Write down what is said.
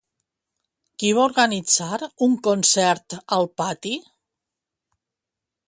Qui va organitzar un concert al pati?